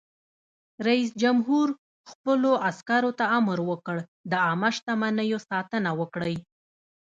رئیس جمهور خپلو عسکرو ته امر وکړ؛ د عامه شتمنیو ساتنه وکړئ!